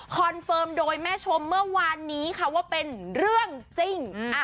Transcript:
เฟิร์มโดยแม่ชมเมื่อวานนี้ค่ะว่าเป็นเรื่องจริง